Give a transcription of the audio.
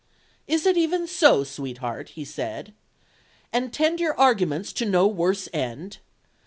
"Is it even so, sweetheart?" he said, "and tend your arguments to no worse end?